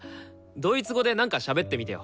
ドイツ語でなんかしゃべってみてよ。